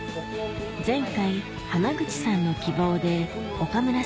前回濱口さんの希望であら！